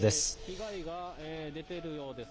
被害が出ているようです。